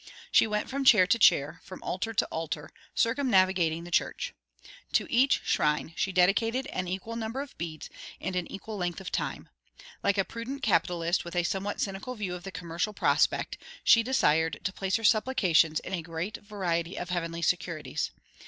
She went from chair to chair, from altar to altar, circumnavigating the church. To each shrine she dedicated an equal number of beads and an equal length of time. Like a prudent capitalist with a somewhat cynical view of the commercial prospect, she desired to place her supplications in a great variety of heavenly securities.